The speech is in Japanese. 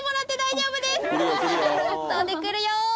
跳んでくるよ！